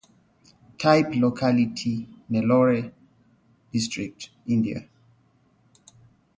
Type locality: Nellore District, India.